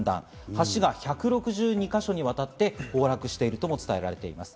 橋が１６２か所にわたって崩落しているとも伝えられています。